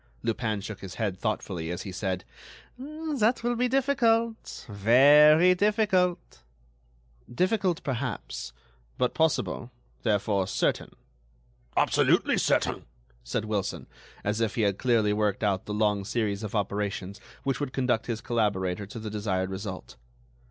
Lupin shook his head thoughtfully, as he said: "That will be difficult—very difficult." "Difficult, perhaps, but possible, therefore certain—" "Absolutely certain," said Wilson, as if he had clearly worked out the long series of operations which would conduct his collaborator to the desired result.